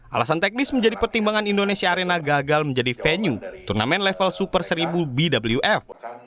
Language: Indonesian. alasan teknis menjadi pertimbangan indonesia arena gagal menjadi venue turnamen level super seribu bwf